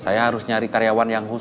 saya harus nyari karyawan yang khusus